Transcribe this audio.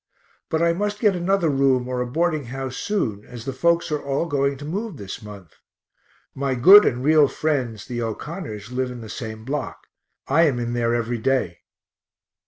But I must get another room or a boarding house soon, as the folks are all going to move this month. My good and real friends the O'Connors live in the same block; I am in there every day.